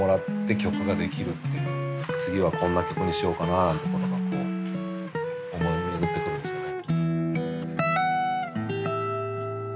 次はこんな曲にしようかななんてこう思い巡ってくるんですよね。